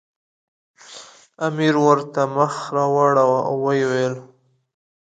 امیر ورته مخ راواړاوه او ویې ویل.